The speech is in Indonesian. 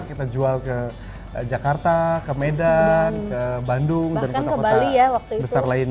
kita jual ke jakarta ke medan ke bandung dan kota kota besar lainnya